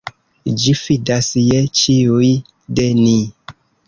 Ĝi fidas je ĉiuj de ni.